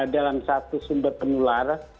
dalam satu sumber penular